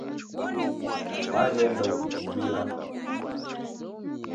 Waghenda ukichibira.